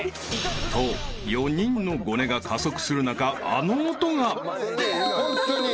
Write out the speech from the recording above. ［と４人のゴネが加速する中あの音が］うわ！